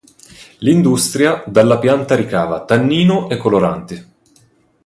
L'industria dalla pianta ricava tannino e coloranti.